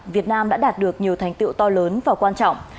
việt nam đã đạt được nhiều thành tiệu to lớn và quan trọng